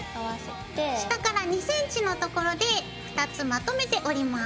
下から２ｃｍの所で２つまとめて折ります。